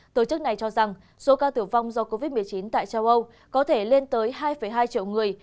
tổ chức này cho rằng số ca tử vong do covid một mươi chín tại châu âu có thể lên tới hai hai triệu người